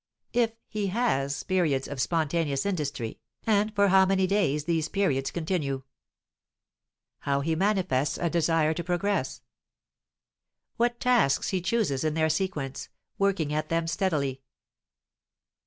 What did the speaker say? If he has periods of spontaneous industry, and for how many days these periods continue. How he manifests a desire to progress. What tasks he chooses in their sequence, working at them steadily.